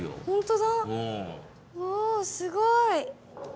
ほんとだ。わすごい！